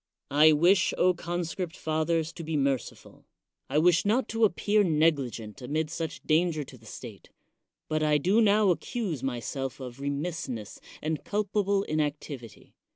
I wish, conscript fathers, to be merciful ; I wish not to appear negligent amid such danger to the state; but I do now accuse myself of re missness and culpable inactivity.